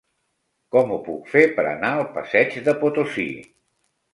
Com ho puc fer per anar al passeig de Potosí?